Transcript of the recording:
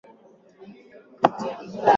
Yaani hawa watu tunawachapa hivi